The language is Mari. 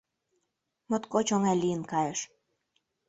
Моткоч оҥай лийын кайыш.